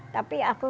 tapi ada yang masih